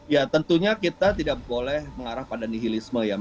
ya tentunya kita tidak boleh mengarah pada nihilisme ya